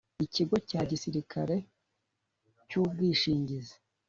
Ikigo cya Gisirikare cy Ubwishingizi